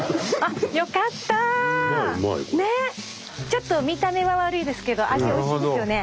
ちょっと見た目は悪いですけど味おいしいですよね。